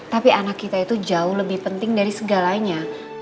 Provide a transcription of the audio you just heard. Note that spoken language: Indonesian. tapi anak kita itu jauh lebih penting dari segalanya